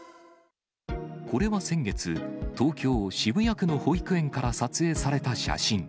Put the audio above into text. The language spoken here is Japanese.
これは先月、東京・渋谷区の保育園から撮影された写真。